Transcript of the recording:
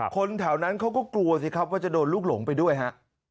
คนแถวนั้นเขาก็กลัวสิครับว่าจะโดนลูกหลงไปด้วยฮะ